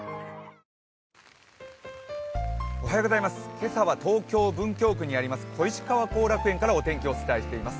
今朝は東京・文京区にあります小石川後楽園からお天気、お伝えしています。